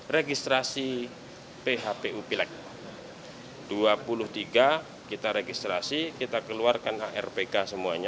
registrasi phpu pileg dua puluh tiga kita registrasi kita keluarkan hrpk semuanya